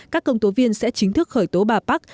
các công tố viên sẽ chính thức khởi tố bà park